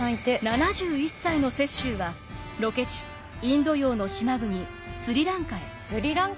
７１歳の雪洲はロケ地インド洋の島国スリランカへ。